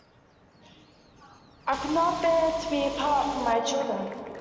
I could not bear to be apart from my children.